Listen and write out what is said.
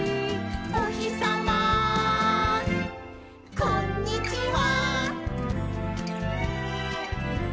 「おひさまこんにちは！」